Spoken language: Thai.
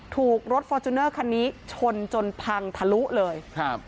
ถูกรถฟอร์จูเนอร์คันนี้ชนจนพังทะลุเลยครับ